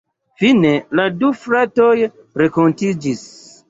Fine la du fratoj renkontiĝis.